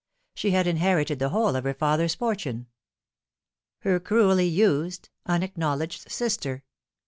She had inherited the whole of her father's fortune. " Her cruelly used, unacknowledged sister."